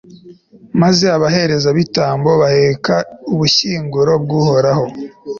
maze abaherezabitambo baheka ubushyinguro bw'uhoraho